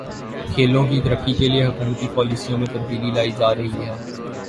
کھیلوں کی ترقی کے لیے حکومتی پالیسیوں میں تبدیلی لائی جا رہی ہے